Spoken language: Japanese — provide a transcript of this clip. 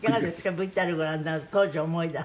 ＶＴＲご覧になると当時を思い出す？